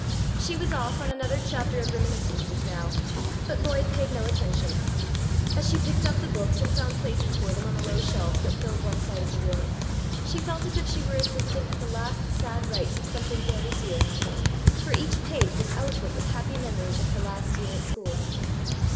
She was off on another chapter of reminiscences now, but Lloyd paid no attention. As she picked up the books and found places for them on the low shelves that filled one side of the room, she felt as if she were assisting at the last sad rites of something very dear; for each page was eloquent with happy memories of her last year at school.